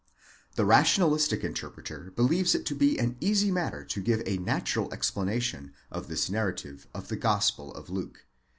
The rationalistic interpreter believes it to be an easy matter to give a natural explanation of this narrative of the Gospel of Luke.